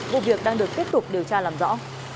vụ việc đang được tiếp tục điều tra làm rõ